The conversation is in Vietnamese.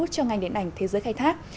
cho ngành điện ảnh thế giới khai thác